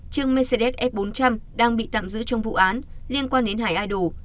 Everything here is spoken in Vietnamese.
chiếc mercedes f bốn trăm linh đang bị tạm giữ trong vụ án liên quan đến hải idol